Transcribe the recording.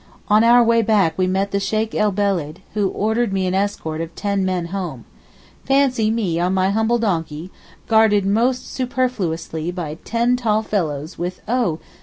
On our way back we met the Sheykh el Beled, who ordered me an escort of ten men home. Fancy me on my humble donkey, guarded most superfluously by ten tall fellows, with oh!